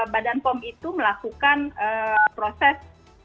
badan pom itu melakukan proses